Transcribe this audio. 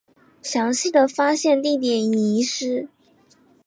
详细的发现地点已遗失。